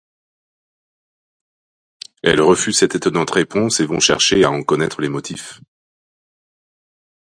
Elles refusent cette étonnante réponse et vont chercher à en connaître les motifs.